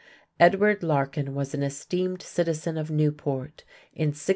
Edward Larkin was an esteemed citizen of Newport in 1655.